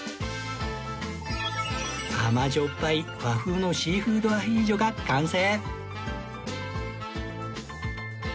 甘じょっぱい和風のシーフードアヒージョが完成！